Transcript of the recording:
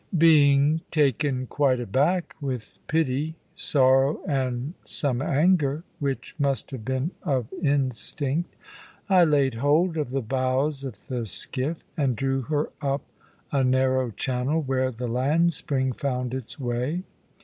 Being taken quite aback with pity, sorrow, and some anger (which must have been of instinct), I laid hold of the bows of the skiff, and drew her up a narrow channel, where the land spring found its way.